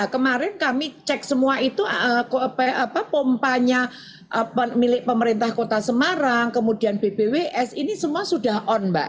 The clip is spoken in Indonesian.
kemarin kami cek semua itu pompanya milik pemerintah kota semarang kemudian bbws ini semua sudah on mbak